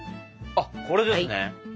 あっこれですね。